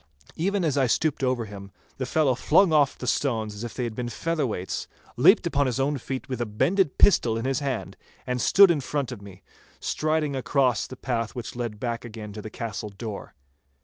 Even as I stooped over him, the fellow flung oft the stones as if they had been featherweights, leaped upon his own feet with a bended pistol in his hand, and stood in front of me, striding across the path which led back again to the castle door.